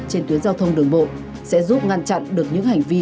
trên tuyến giao thông đường bộ sẽ giúp ngăn chặn được những hành vi